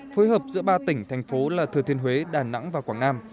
phối hợp giữa ba tỉnh thành phố là thừa thiên huế đà nẵng và quảng nam